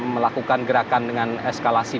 melakukan gerakan dengan eskalasi